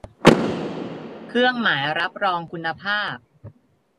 เครื่องหมายรับรองคุณภาพ